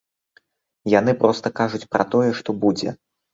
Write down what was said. Яны проста кажуць пра тое, што будзе.